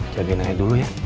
jagain aja dulu ya